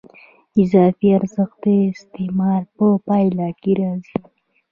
اضافي ارزښت د استثمار په پایله کې راځي